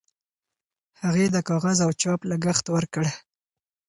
هغې د کاغذ او چاپ لګښت ورکړ.